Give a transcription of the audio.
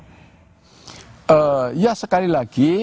ya sekali lagi saya tidak ditinggalkan oleh pemilih tradisional itu tadi